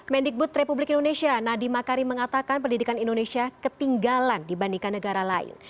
mendikbud republik indonesia nadiem makarim mengatakan pendidikan indonesia ketinggalan dibandingkan negara lain